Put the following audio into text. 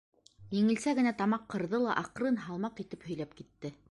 Еңелсә генә тамаҡ ҡырҙы ла аҡрын, һалмаҡ итеп һөйләп китте.